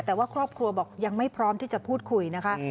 แต่ว่าครอบครัวบอกยังไม่พร้อมที่จะพูดคุยนะคะ